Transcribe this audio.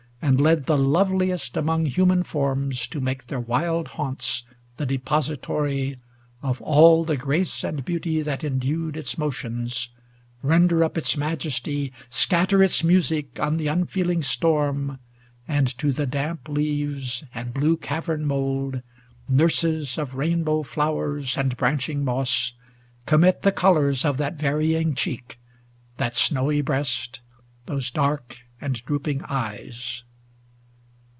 And led the loveliest among human forms To make their wild haunts the depository Of all the grace and beauty that endued Its motions, render up its majesty. Scatter its music on the unfeeling storm. And to the damp leaves and blue cavern mould. Nurses of rainbow flowers and branching moss, Commit the colors of that varying cheek, 600 That snowy breast, those dark and droop ing eyes.